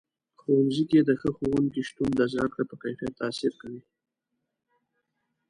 ښوونځي کې د ښه ښوونکو شتون د زده کړې په کیفیت تاثیر کوي.